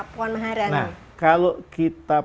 puan maharani nah kalau kita